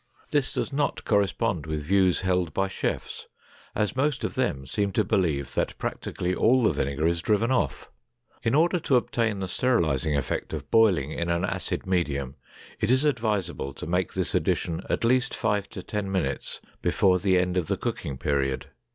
This does not correspond with views held by chefs, as most of them seem to believe that practically all the vinegar is driven off. In order to obtain the sterilizing effect of boiling in an acid medium, it is advisable to make this addition at least five to ten minutes before the end of the cooking period.